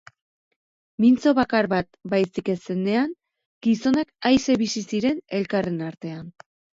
Mintzo bakar bat baizik ez zenean, gizonak aise bizi ziren elkarren artean.